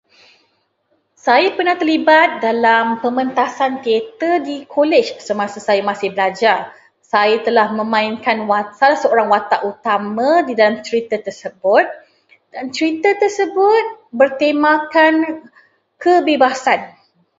Saya pernah terlibat dalam pementasan teater di kolej semasa saya masih belajar. Saya telah memainkan watak- seorang watak utama di dalam cerita tersebut. Cerita tersebut bertemakan kebebasan.